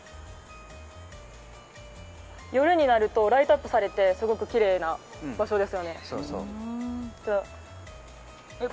夜になるとライトアップされてすごくきれいな場所です。